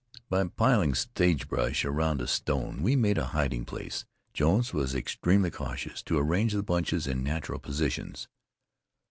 By piling sagebrush round a stone, we made a hiding place. Jones was extremely cautious to arrange the bunches in natural positions.